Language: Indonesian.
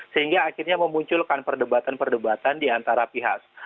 sehingga akhirnya memunculkan perdebatan perdebatan di antara pihak